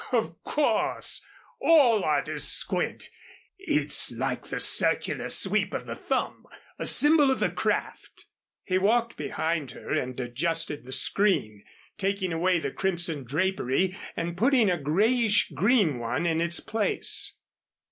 "Of course. All artists squint. It's like the circular sweep of the thumb a symbol of the craft." He walked behind her and adjusted the screen, taking away the crimson drapery and putting a greyish green one in its place.